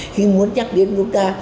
khi muốn nhắc đến người ta